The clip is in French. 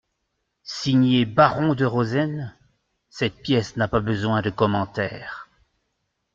»Signé Baron DE ROSEN.» Cette pièce n'a pas besoin de commentaire.